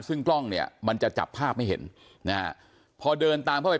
ซึ่งกล้องมันจะจับภาพให้เห็นพอเดินตามเข้าไป